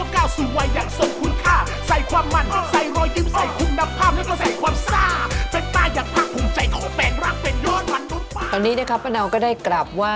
กรูผู้สืบสารล้านนารุ่นแรกแรกรุ่นเลยนะครับผม